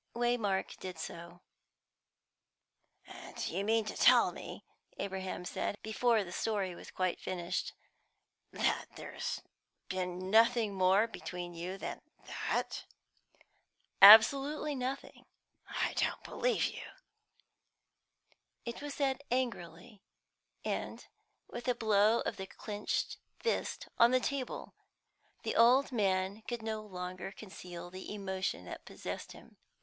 Waymark did so. "And you mean to tell me," Abraham said, before the story was quite finished, "that there's been nothing more between you than that?" "Absolutely nothing." "I don't believe you." It was said angrily, and with a blow of the clenched fist on the table. The old man could no longer conceal the emotion that possessed him.